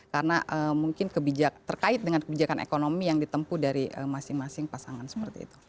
karena mungkin terkait dengan kebijakan ekonomi yang ditempu dari masing masing pasangan seperti itu